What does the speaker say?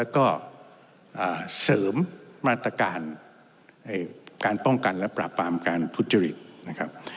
การป้องกันและปราบปรามการพุทธจริตนะครับ